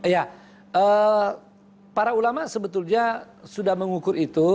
ya para ulama sebetulnya sudah mengukur itu